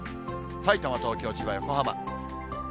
さいたま、東京、千葉、横浜。